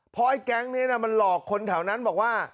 เพราะไอ้แก๊งนี้มันหลอกคนแถวนั้นบอกว่า